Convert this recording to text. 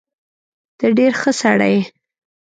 ته ډېر ښه سړی يې.